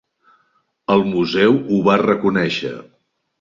El museu ho va reconèixer.